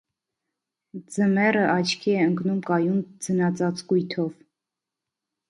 Ձմեռը աչքի է ընկնում կայուն ձնածածկույթով։